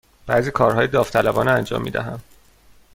بعضی کارهای داوطلبانه انجام می دهم.